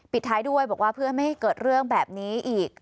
ท้ายด้วยบอกว่าเพื่อไม่ให้เกิดเรื่องแบบนี้อีก